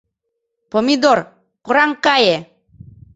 — Помидор, кораҥ кае!